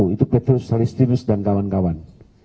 itu petrus salistinus dan kawan kawan